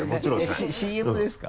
ＣＭですか？